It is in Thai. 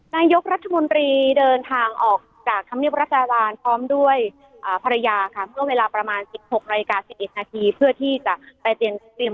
นายกรัฐมนตรีเดินทางออกจากธรรมเนียบรัฐบาลพร้อมด้วยภรรยาค่ะเมื่อเวลาประมาณ๑๖นาฬิกา๑๑นาทีเพื่อที่จะไปเตรียม